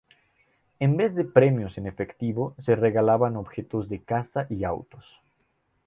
En vez de premios en efectivo, se regalaban objetos de casa y autos.